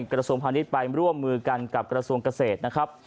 กระทรวงพาณิชย์ไปร่วมมือกันกับกระทรวงเกษตรนะครับ